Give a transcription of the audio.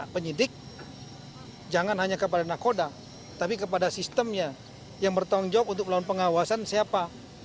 penyidik jangan hanya kepada nakoda tapi kepada sistemnya yang bertanggung jawab untuk melakukan pengawasan siapa